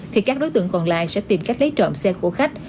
thì các đối tượng còn lại sẽ tìm cách lấy trộm xe của khách